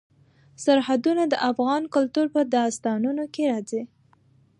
سرحدونه د افغان کلتور په داستانونو کې راځي.